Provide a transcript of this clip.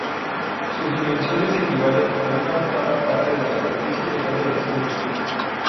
Sus dimensiones equivalen a una octava parte de la superficie total del escudo.